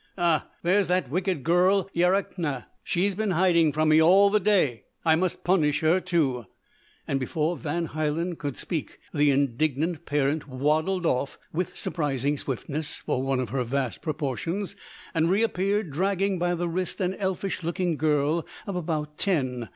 Ah! there's that wicked girl Yarakna she's been hiding from me all the day. I must punish her, too!" and before Van Hielen could speak the indignant parent waddled off with surprising swiftness for one of her vast proportions and reappeared dragging by the wrist an elfish looking girl of about ten.